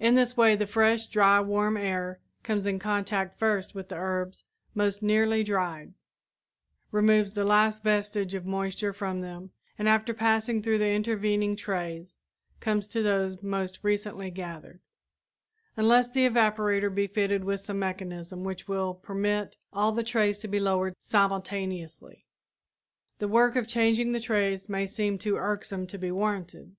In this way the fresh, dry, warm air comes in contact first with the herbs most nearly dried, removes the last vestige of moisture from them and after passing through the intervening trays comes to those most recently gathered. [Illustration: Hand Cultivator and Scarifier] Unless the evaporator be fitted with some mechanism which will permit all the trays to be lowered simultaneously, the work of changing the trays may seem too irksome to be warranted.